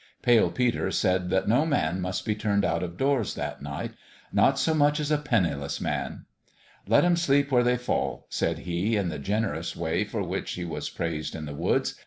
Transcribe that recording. Pale Peter said that no man must be turned out of doors that night not so much as a penniless man. " Let 'em sleep where they fall," said he, in the generous way for which he was praised in the woods.